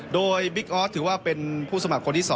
โดยบิ๊กออสถือว่าเป็นผู้สมัครคนที่๒